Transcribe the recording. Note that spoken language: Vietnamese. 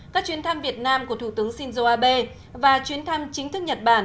các chuyến thăm việt nam của thủ tướng shinzo abe và chuyến thăm chính thức nhật bản